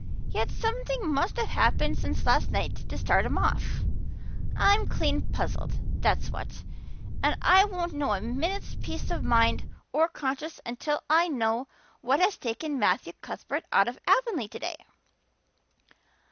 Yet something must have happened since last night to start him off. I'm clean puzzled, that's what, and I won't know a minute's peace of mind or conscience until I know what has taken Matthew Cuthbert out of Avonlea today."